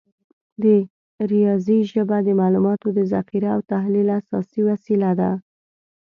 د ریاضي ژبه د معلوماتو د ذخیره او تحلیل اساسي وسیله ده.